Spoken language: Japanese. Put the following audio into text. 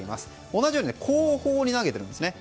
同じように後方に投げてるんですね。